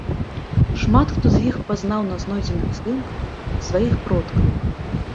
Шмат хто з іх пазнаў на знойдзеных здымках сваіх продкаў.